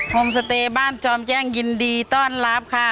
โฮมสเตย์บ้านจอมแจ้งยินดีต้อนรับค่ะ